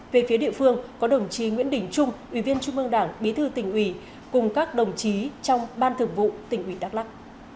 về phía địa phương có đồng chí nguyễn đình trung ủy viên trung mương đảng bí thư tỉnh ủy cùng các đồng chí trong ban thường vụ tỉnh ủy đắk lắc